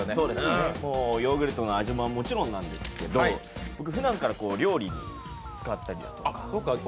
ヨーグルトの味はもちろんなんですけど、ふだんから料理に使ったりとか。